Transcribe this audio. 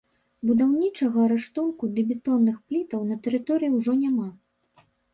Будаўнічага рыштунку ды бетонных плітаў на тэрыторыі ўжо няма.